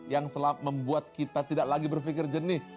yang membuat kita tidak lagi berpikir jernih